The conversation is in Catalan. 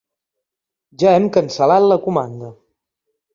Ja hem cancel·lat la comanda.